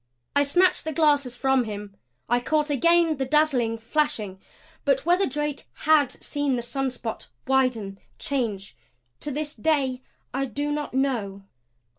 I snatched the glasses from him. I caught again the dazzling flashing. But whether Drake HAD seen the spot widen, change to this day I do not know.